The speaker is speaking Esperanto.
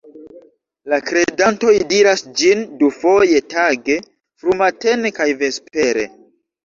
La kredantoj diras ĝin dufoje tage, frumatene kaj vespere.